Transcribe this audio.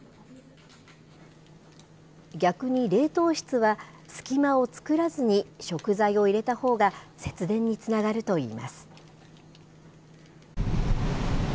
逆に、冷凍室は隙間を作らずに、食材を入れたほうが節電につながるといいます。